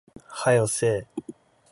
早よせえ